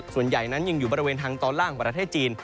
ส่วนใหญ่นั้นยังอยู่บริเวณทางตอนล่างประเทศจีน